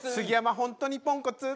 本当にポンコツ」